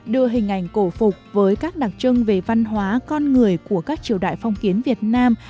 đưa hình ảnh cổ phục với các đặc trưng về văn hóa con người của các triều đại phong kiến việt nam